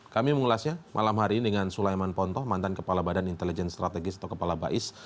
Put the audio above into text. kami mengulasnya malam hari ini dengan sulaiman pontoh mantan kepala badan intelijen strategis atau kepala bais